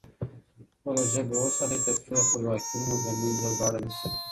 خپله ژبه وساتئ ترڅو خپلواکي مو له منځه لاړ نه سي.